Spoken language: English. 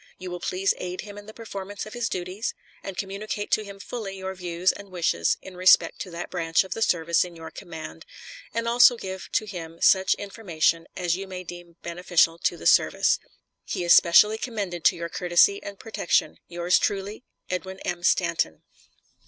You will please aid him in the performance of his duties, and communicate to him fully your views and wishes in respect to that branch of the service in your command, and also give to him such information as you may deem beneficial to the service. He is specially commended to your courtesy and protection. Yours truly, EDWIN M. STANTON.